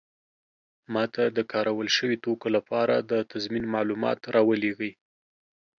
ما ته د کارول شوي توکو لپاره د تضمین معلومات راولیږئ.